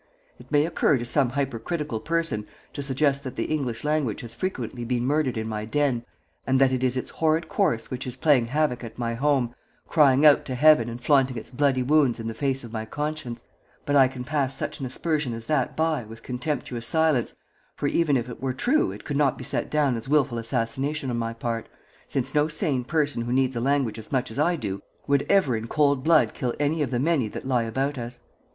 It may occur to some hypercritical person to suggest that the English language has frequently been murdered in my den, and that it is its horrid corse which is playing havoc at my home, crying out to heaven and flaunting its bloody wounds in the face of my conscience, but I can pass such an aspersion as that by with contemptuous silence, for even if it were true it could not be set down as wilful assassination on my part, since no sane person who needs a language as much as I do would ever in cold blood kill any one of the many that lie about us.